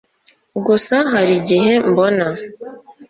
gusa hari igihe mbona